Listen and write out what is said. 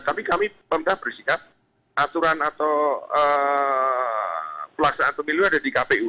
tapi kami pemerintah bersikap aturan atau pelaksanaan pemilu ada di kpu